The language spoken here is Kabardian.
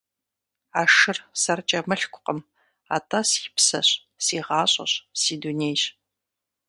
А шыр сэркӀэ мылъкукъым, атӀэ си псэщ, си гъащӀэщ, си дунейщ.